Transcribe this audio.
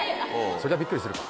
そりゃびっくりするわ。